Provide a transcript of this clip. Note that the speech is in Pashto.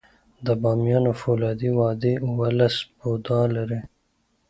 د بامیانو فولادي وادي اوولس بودا لري